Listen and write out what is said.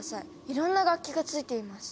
いろんな楽器がついています。